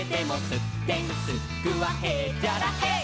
「すってんすっくはへっちゃらへい！」